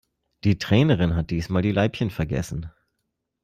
Die Trainerin hat diesmal die Leibchen vergessen.